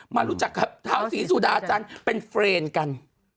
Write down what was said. มารู้จักท้าวสีสุดาจังเป็นเพรนกัน